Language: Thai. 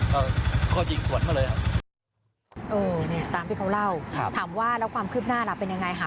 เขาก็ยิงสวนเขาเลย